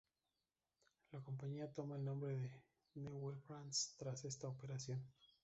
La compañía toma el nombre de "Newell Brands" tras esta operación.